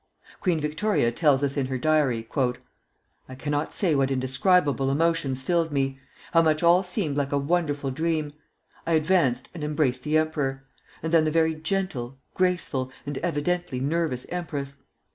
Queen Victoria tells us in her diary, "I cannot say what indescribable emotions filled me, how much all seemed like a wonderful dream.... I advanced and embraced the Emperor, ... and then the very gentle, graceful, and evidently nervous empress.